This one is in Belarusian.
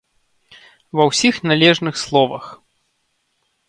Ва ўсіх належных словах!